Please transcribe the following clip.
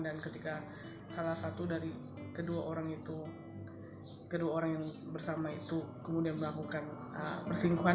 dan ketika salah satu dari kedua orang bersama itu kemudian melakukan persingkuhan